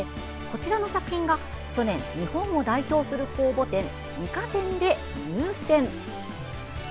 こちらの作品が、去年日本を代表する公募展二科展で入選。